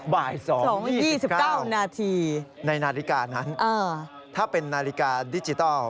บ่าย๒๒๙นาทีในนาฬิกานั้นถ้าเป็นนาฬิกาดิจิทัล